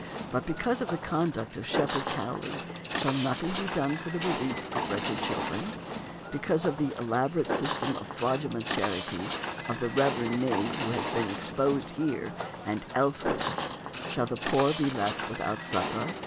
But because of the conduct of Shepherd Cowley shall nothing be done for the relief of wretched children? Because of the elaborate system of fraudulent charity of the reverend knave who has been exposed here and elsewhere shall the poor be left without succor?